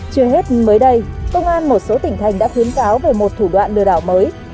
chưa hết mới đây công an một số tỉnh thành đã khuyến cáo về một thủ đoạn lừa đảo mới